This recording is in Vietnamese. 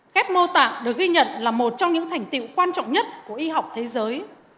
cap mô tạng được ghi nhận là một trong những thành tiệu quan trọng nhất của y học thế giới